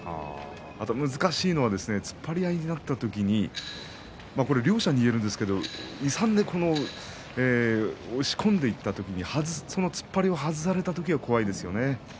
あと難しいのは突っ張り合いになった時にこれ両者に言えるんですけど勇んで押し込んでいった時にその突っ張りを外された時が怖いですよね。